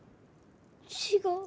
違う。